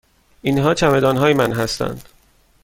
اینها چمدان های من هستند.